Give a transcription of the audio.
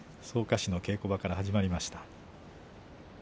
草加市の稽古場から始まりました。